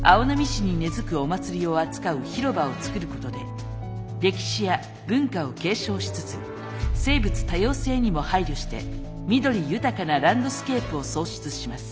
市に根づくお祭りを扱う広場を作ることで歴史や文化を継承しつつ生物多様性にも配慮して緑豊かなランドスケープを創出します。